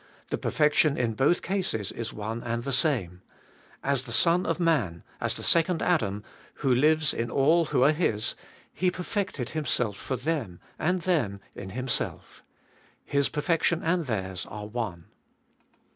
The perfection in both cases is one and the same. As the Son of Man, as the Second Adam, who lives in all who are His, He perfected Himself for them, and them in Himself. His perfection and theirs are one.